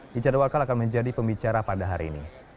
di jadwal akan menjadi pembicara pada hari ini